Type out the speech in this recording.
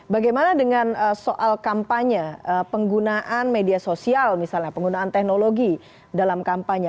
bagaimana dengan soal kampanye penggunaan media sosial misalnya penggunaan teknologi dalam kampanye